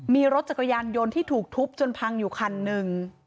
มีรถจักรยานยนต์ที่ถูกทุบจนพังอยู่คันหนึ่ง